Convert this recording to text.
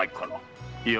いや。